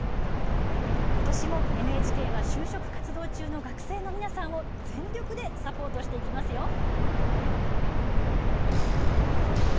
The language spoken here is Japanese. ことしもＮＨＫは就職活動中の学生の皆さんを全力でサポートしていきますよ。